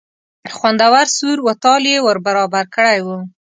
خوندور سور و تال یې ور برابر کړی و.